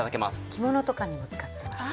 着物とかにも使ってます。